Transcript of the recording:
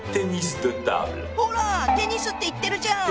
ほらテニスって言ってるじゃん。